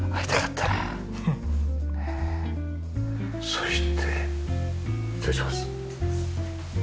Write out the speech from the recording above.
そして失礼します。